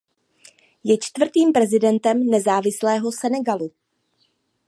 Je čtvrtým prezidentem nezávislého Senegalu.